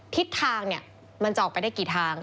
ทิศทางมันจะออกไปได้กี่ทาง